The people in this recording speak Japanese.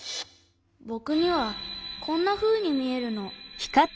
ぼくにはこんなふうにみえるの。